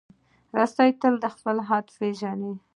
رسۍ تل خپل حد پېژني.